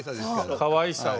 かわいさを。